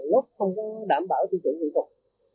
lốt không có đảm bảo sử dụng kỹ thuật